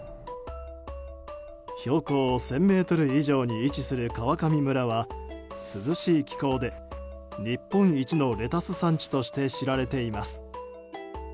標高１０００ｍ以上に位置する川上村は涼しい気候で日本一のレタス産地として知られています。